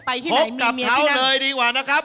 พบกับเขาเลยดีกว่านะครับ